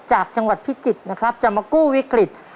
จากจังหวัดพิจิตรนะครับจะมากู้วิกฤต